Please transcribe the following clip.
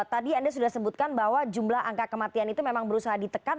tadi anda sudah sebutkan bahwa jumlah angka kematian itu memang berusaha ditekan